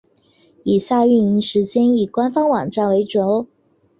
以下营运时间以官方网站为准。